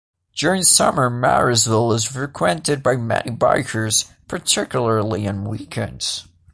During Summer Marysville is frequented by many bikers, particularly on weekends.